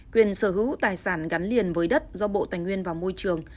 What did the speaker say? quyền sở hữu tài sản gắn liền với đất do bộ tài nguyên và môi trường